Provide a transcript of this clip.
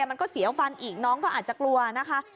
มันก็เสียวฟันอีกน้องก็อาจจะกลัวนะคะ